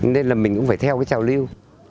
nên là mình cũng phải theo cái trào lưu